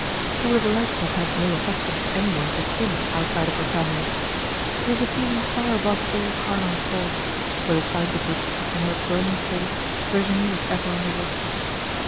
She would have liked to have had no affection for anyone but him outside of her family. It was a feeling far above all carnal thoughts, for the signs of which upon her burning face Virginie was ever on the watch.